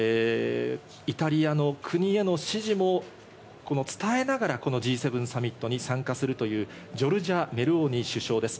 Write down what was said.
イタリアの国への指示も伝えながらＧ７サミットに参加するというジョルジャ・メローニ首相です。